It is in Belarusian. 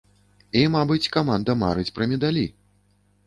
І, мабыць, каманда марыць пра медалі.